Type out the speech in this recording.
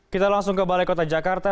kita langsung ke balai kota jakarta